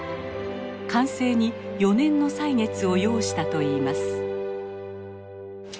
完成に４年の歳月を要したといいます。